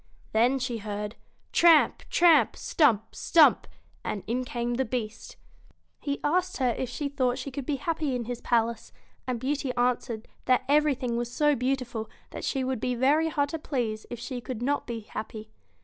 Then she heard, tramp, tramp! stump, stump! and in came the Beast He asked her if she thought she could be happy in his palace ; and Beauty answered, that everything was so beautiful that she would be very hard to please if she could not be happy.